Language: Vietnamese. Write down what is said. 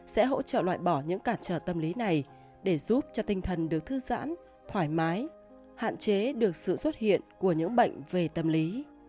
sẽ hỗ trợ loại bỏ những cản trở tâm lý này để giúp cho tinh thần được thư giãn thoải mái hạn chế được sự xuất hiện của những bệnh về tâm lý